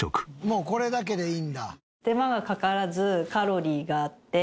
もうこれだけでいいんだ。